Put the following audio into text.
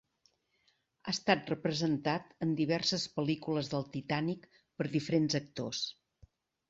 Ha estat representat en diverses pel·lícules del "Titànic" per diferents actors.